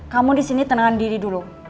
kamu disini tenangkan diri dulu